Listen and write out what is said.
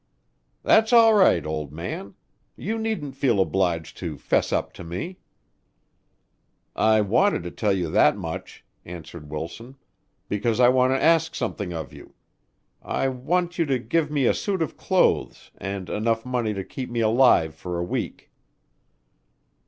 "That's all right, old man. You needn't feel obliged to 'fess up to me." "I wanted to tell you that much," answered Wilson, "because I want to ask something of you; I want you to give me a suit of clothes and enough money to keep me alive for a week."